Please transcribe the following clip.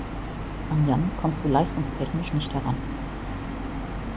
An Jan kommst du leistungstechnisch nicht heran.